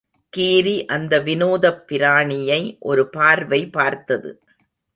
கீரி அந்த விநோதப் பிராணியை ஒரு பார்வை பார்த்தது.